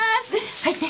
入って。